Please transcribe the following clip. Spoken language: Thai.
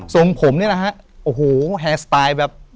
ทรงผมเนี่ยนะฮะโอ้โหแฮสไตล์แบบ